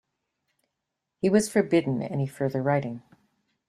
He was forbidden any further writing.